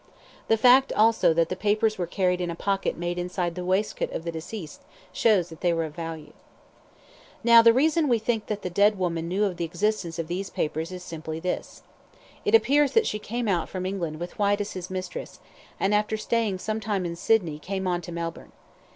The fact, also, that the papers were carried in a pocket made inside the waistcoat of the deceased shows that they were of value. "Now, the reason we think that the dead woman knew of the existence of these papers is simply this. It appears that she came out from England with Whyte as his mistress, and after staying some time in Sydney came on to Melbourne.